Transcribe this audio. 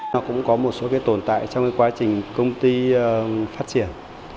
nó cũng có một số cái tồn tại trong cái quá trình công ty phát triển